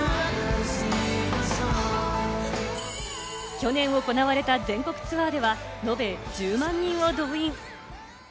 去年行われた全国ツアーではのべ１０万人を動員。